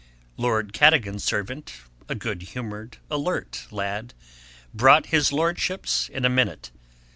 Lord Cadogan's servant, a good humoured alert lad, brought his Lordship's in a minute.